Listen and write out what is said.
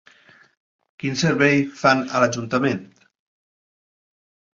Quin servei fan a l'Ajuntament?